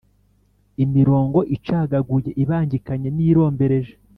imirongo icagaguye ibangikanye n’irombereje